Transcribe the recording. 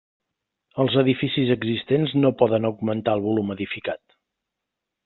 Els edificis existents no poden augmentar el volum edificat.